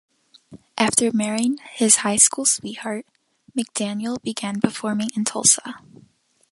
After marrying his high school sweetheart, McDaniel began performing in Tulsa.